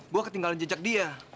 gua ketinggalan jejak dia